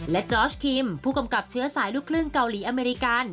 และจอร์ชคิมผู้กำกับเชื้อสายลูกครึ่งเกาหลีอเมริกัน